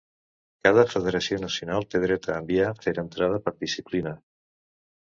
Cada federació nacional té dret a enviar fer entrada per disciplina.